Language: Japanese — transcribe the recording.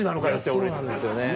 そうなんですよね。